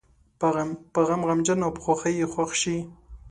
په غم غمجن او په خوښۍ یې خوښ شي.